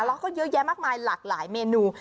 แล้วก็เยอะแยะมากมายหลากหลายเมนู